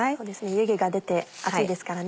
湯気が出て熱いですからね。